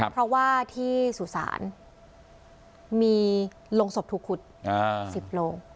เพราะว่าที่สุสานมีโรงศพถูกขุด๑๐โลง